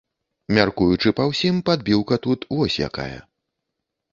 Мяркуючы па ўсім, подбіўка тут вось якая.